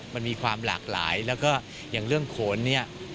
มันมีความหลากหลายแล้วก็อย่างเรื่องโขนเนี่ย